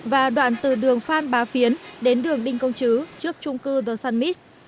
và đoạn từ đường phan bá phiến đến đường đinh công chứ trước trung cư the sun mis